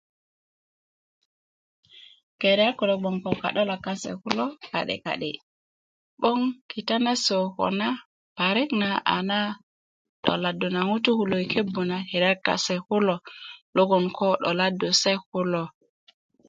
Keriyat kulo gboŋ ko ka'dolak kase kulo ka'de ka'de 'boŋ kita nase koko na parik a na 'doladu na ŋutuu kulo i kebu na keriyat kase kulo logoŋ koo 'doladu se kulo